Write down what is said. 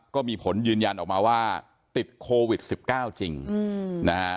ก็มีผลยืนยันออกมาว่าติดโควิด๑๙จริงนะฮะ